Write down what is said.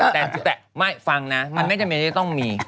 แต่ฟังนะมันไม่จำเป็นต้องมี